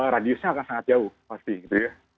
radiusnya akan sangat jauh pasti gitu ya